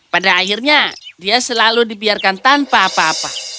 pada akhirnya dia selalu dibiarkan tanpa apa apa